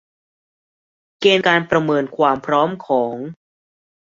เกณฑ์การประเมินความพร้อมของ